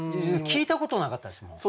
聞いたことなかったですもん。